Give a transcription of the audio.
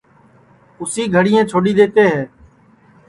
اُسی گھںٚٹؔیں چھوڈؔی دؔیوتے ہے